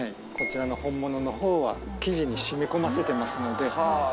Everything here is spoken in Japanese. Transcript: こちらの本物のほうは生地に染み込ませてますので。